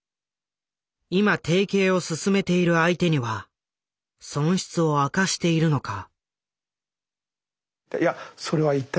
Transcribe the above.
「今提携を進めている相手には損失を明かしているのか」。